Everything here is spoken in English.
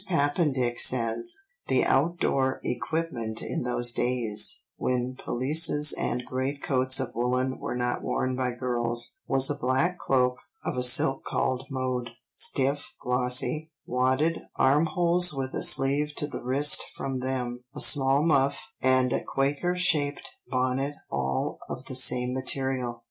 Papendick says, "The outdoor equipment in those days, when pelisses and great coats of woollen were not worn by girls, was a black cloak of a silk called 'mode,' stiff, glossy, wadded, armholes with a sleeve to the wrist from them, a small muff, and a quaker shaped bonnet all of the same material."